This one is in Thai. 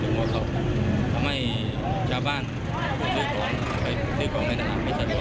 คือหลังจากที่น้ำคุณหลบหนักตั้งแต่วันที่๑มกราคา